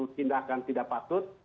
tindakan tidak patut